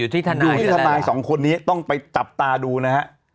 อยู่ที่ทนายสองคนนี้ต้องไปจับตาดูนะฮะ